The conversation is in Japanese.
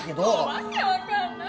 訳分かんない。